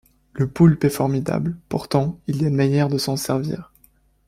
Le poulpe est formidable ; pourtant il y a une manière de s’en servir.